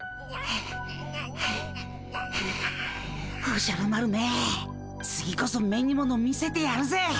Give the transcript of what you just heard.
おじゃる丸め次こそ目にもの見せてやるぜ！